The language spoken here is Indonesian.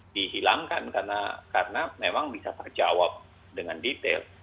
dihilangkan karena memang bisa terjawab dengan detail